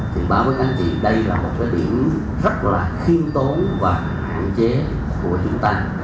thì bảo vấn anh chị đây là một cái điểm rất là khiêm tốn và hạn chế của chúng ta